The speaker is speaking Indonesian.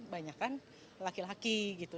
banyak kan laki laki gitu